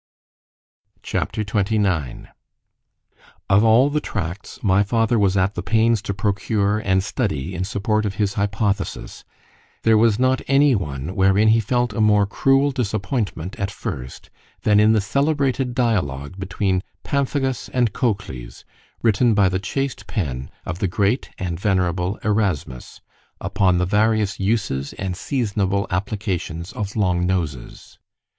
C H A P. XXIX OF all the tracts my father was at the pains to procure and study in support of his hypothesis, there was not any one wherein he felt a more cruel disappointment at first, than in the celebrated dialogue between Pamphagus and Cocles, written by the chaste pen of the great and venerable Erasmus, upon the various uses and seasonable applications of long noses.